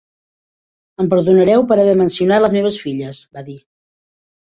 "Em perdonareu per haver mencionat les meves filles" -va dir.